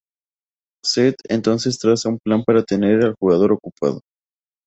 Seth entonces traza un plan para tener al jugador ocupado.